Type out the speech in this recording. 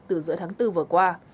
từ giữa tháng bốn vừa qua